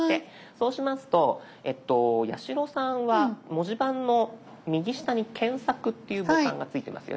そうしますと八代さんは文字盤の右下に「検索」っていうボタンがついてますよね。